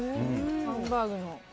ハンバーグの。